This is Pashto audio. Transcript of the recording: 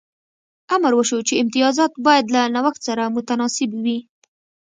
امر وشو چې امتیازات باید له نوښت سره متناسب وي.